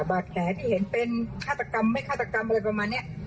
บาดแผลที่เห็นเป็นฆาตกรรมไม่ฆาตกรรมอะไรประมาณนี้